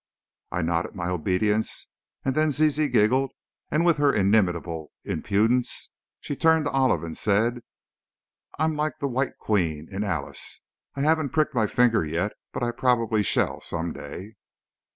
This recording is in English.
I nodded my obedience, and then Zizi giggled and with her inimitable impudence, she turned to Olive, and said: "I'm like the White Queen, in 'Alice,' I haven't pricked my finger yet, but I probably shall, some day."